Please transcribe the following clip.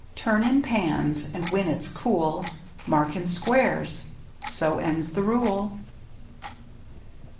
Turn in pans, and when it's cool Mark in squares. So ends the rule.